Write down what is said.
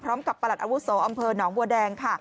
พร้อมกับประหลัดอาวุศออำเภอนองค์บัวแดง